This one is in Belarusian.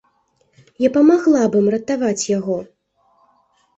Я памагла б ім ратаваць яго.